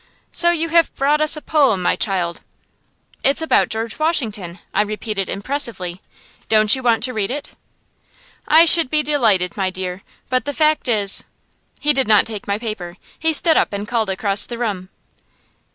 "So you have brought us a poem, my child?" "It's about George Washington," I repeated impressively. "Don't you want to read it?" "I should be delighted, my dear, but the fact is " He did not take my paper. He stood up and called across the room.